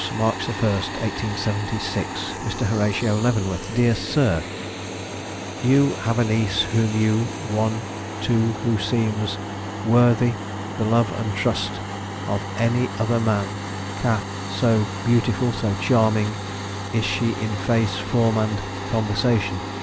March 1st, 1876. "Mr. Horatio Leavenworth; "Dear Sir: "(You) have a niece whom you one too who seems worthy the love and trust of any other man ca so beautiful, so charming is she in face form and conversation.